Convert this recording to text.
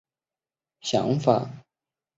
他的想法路人都能知道了。